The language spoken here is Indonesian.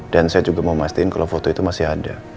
dan saya juga mau mastiin kalau foto itu masih ada